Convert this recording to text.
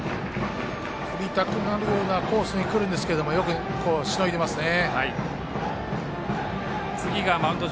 振りたくなるようなコースにくるんですがよくしのいでいますね。